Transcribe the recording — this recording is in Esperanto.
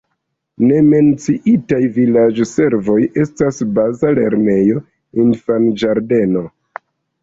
Ne menciitaj vilaĝservoj estas baza lernejo, infanĝardeno.